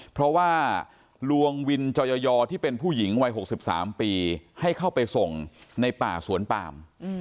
เพราะว่าลวงวินจอยอที่เป็นผู้หญิงวัย๖๓ปีให้เข้าไปส่งในป่าสวนปาม